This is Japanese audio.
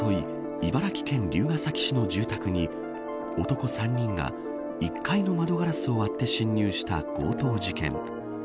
茨城県龍ケ崎市の住宅に男３人が１階の窓ガラスを割って侵入した強盗事件。